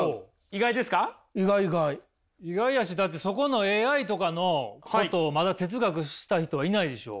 意外やしだってそこのＡＩとかのことをまだ哲学した人はいないでしょ？